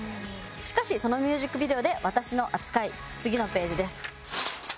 しかしそのミュージックビデオで私の扱い次のページです。